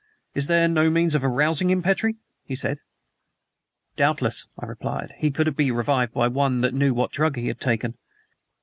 "Is there no means of arousing him, Petrie?" he said. "Doubtless," I replied, "he could be revived if one but knew what drug he had taken."